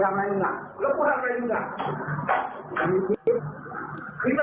หลังจากสิ่งมีมากรงกลหลังอาหรือไง